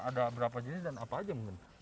ada berapa jenis dan apa aja mungkin